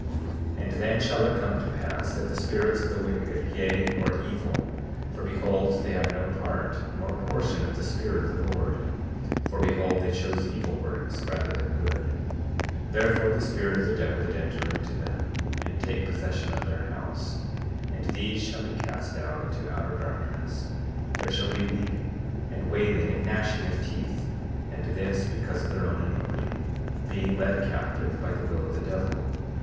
40:13 And then shall it come to pass, that the spirits of the wicked, yea, who are evil—for behold, they have no part nor portion of the Spirit of the Lord; for behold, they chose evil works rather than good; therefore the spirit of the devil did enter into them, and take possession of their house—and these shall be cast out into outer darkness; there shall be weeping, and wailing, and gnashing of teeth, and this because of their own iniquity, being led captive by the will of the devil.